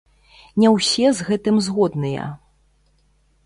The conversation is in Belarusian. Не ўсе з гэтым згодныя.